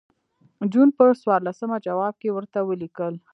جون پر څوارلسمه جواب کې ورته ولیکل.